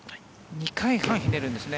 ２回半ひねるんですね。